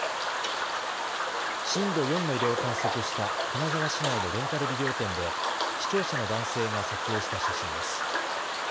震度４の揺れを観測した金沢市内のレンタルビデオ店で視聴者の男性が撮影した写真です。